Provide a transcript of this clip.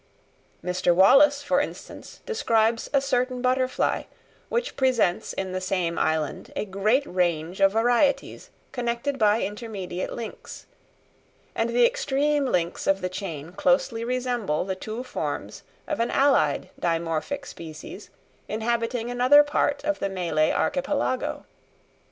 Mr. Wallace, for instance, describes a certain butterfly which presents in the same island a great range of varieties connected by intermediate links, and the extreme links of the chain closely resemble the two forms of an allied dimorphic species inhabiting another part of the Malay Archipelago.